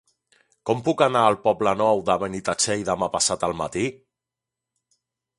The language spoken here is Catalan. Com puc anar al Poble Nou de Benitatxell demà passat al matí?